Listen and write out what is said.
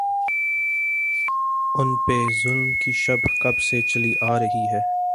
ان پہ ظلم کی شب کب سے چلی آ رہی ہے۔